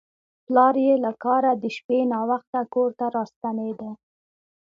پلار یې له کاره د شپې ناوخته کور ته راستنېده.